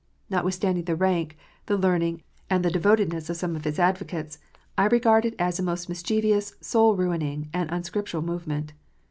Notwithstanding the rank, the learning, and the devotedness of some of its advocates, I regard it as a most mischievous, soul ruining, and unscriptural move ment.